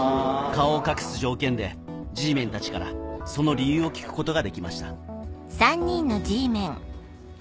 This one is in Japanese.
顔を隠す条件でＧメンたちからその理由を聞くことができました。